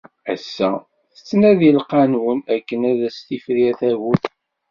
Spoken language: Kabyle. Ass-a tettnadi lqanun akken ad as-tifrir tagut.